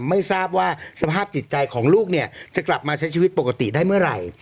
ไม่ทราบว่าสภาพจิตใจของลูกเนี่ยจะกลับมาใช้ชีวิตปกติได้เมื่อไหร่